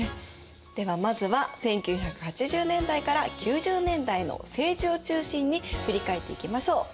ではまずは１９８０年代から９０年代の政治を中心に振り返っていきましょう。